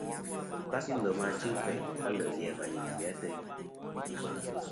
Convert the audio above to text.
Ndu kasi lem achɨ keyn alè' ghè a và li lì ateyn.